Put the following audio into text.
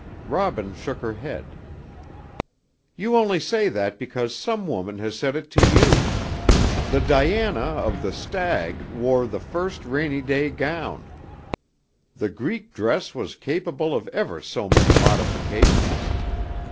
Robin shook her head. "You only say that because some woman has said it to you. The Diana of the Stag wore the first rainy day gown. The Greek dress was capable of ever so many modifications.